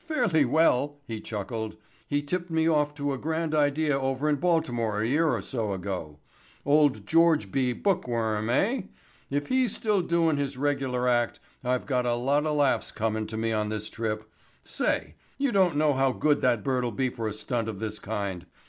"Fairly well," he chuckled. "He tipped me off to a grand idea over in Baltimore a year or so ago. Old George B. Bookworm, eh? If he's still doin' his regular act I've got a lot of laughs comin' to me on this trip. Say, you don't know how good that bird'll be for a stunt of this kind.